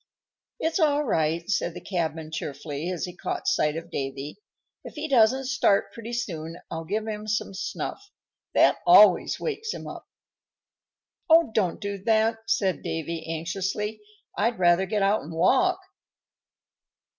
"It's all right," said the cabman, cheerfully, as he caught sight of Davy. "If he doesn't start pretty soon I'll give him some snuff. That always wakes him up." "Oh! don't do that," said Davy, anxiously. "I'd rather get out and walk."